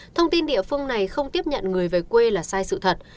thông tin địa phương này không tiếp nhận người về quê là sai sự thật